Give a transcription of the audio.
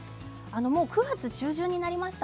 ９月中旬になりました。